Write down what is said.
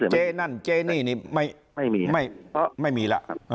เจ๊นั่นเจ๊นี่นี่ไม่ไม่มีไม่มีล่ะ